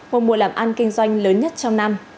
một mùa làm ăn kinh doanh lớn